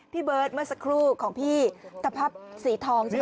พี่เบิร์ตเมื่อสักครู่ของพี่ตะพับสีทองใช่ไหม